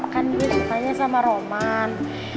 kan gue sukanya sama roman